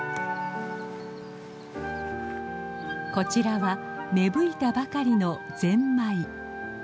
こちらは芽吹いたばかりのゼンマイ。